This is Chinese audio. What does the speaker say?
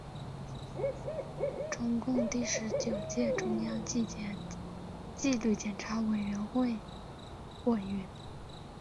中共第十九届中央纪律检查委员会委员。